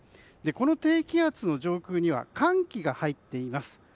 この低気圧の上空には寒気が入っています。